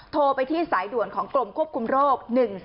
โทรไปที่สายด่วนของกรมควบคุมโรค๑๔